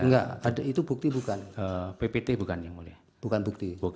enggak ada itu bukti bukan ppt bukan yang mulia bukan bukti